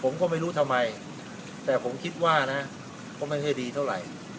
ผมก็ไม่รู้ทำไมแต่ผมคิดว่านะก็ไม่ค่อยดีเท่าไหร่